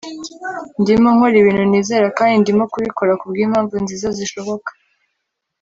ndimo nkora ibintu nizera kandi ndimo kubikora kubwimpamvu nziza zishoboka